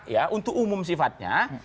ya untuk umum sifatnya